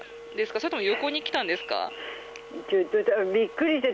それとも横に来たんですか？